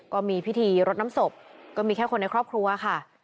ก็มีพิธีรดน้ำศพก็มีแค่คนในครอบครัวค่ะ